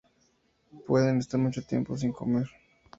Pueden estar mucho tiempo sin comer.